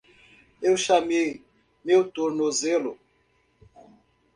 Eu chamei meu tornozelo.